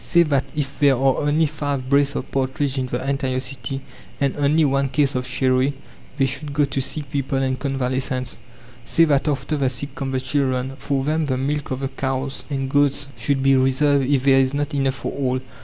Say that if there are only five brace of partridge in the entire city, and only one case of sherry, they should go to sick people and convalescents. Say that after the sick come the children. For them the milk of the cows and goats should be reserved if there is not enough for all.